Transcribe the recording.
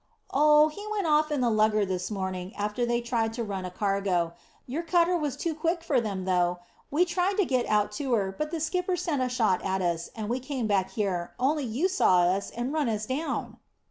"Oh, he went off in the lugger this morning, after they'd tried to run a cargo. Your cutter was too quick for them though. We tried to get out to her, but the skipper sent a shot at us, and we came back here, only you saw us, and run us down."